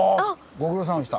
ご苦労さまでした。